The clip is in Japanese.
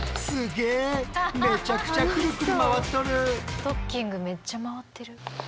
ストッキングめっちゃ回ってる。